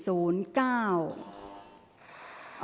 ออกรางวัลที่๖